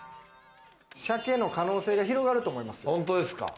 鮭の可能性が広がると思いますよ。